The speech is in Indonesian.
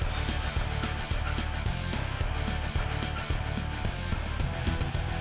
sugoro terasa ligatedral bukan hanya tinggi coastal eggs